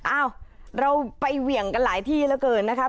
อ้าวเราไปเหวี่ยงกันหลายที่เหลือเกินนะครับ